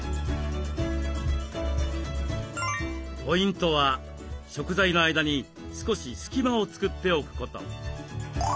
ポイントは食材の間に少し隙間をつくっておくこと。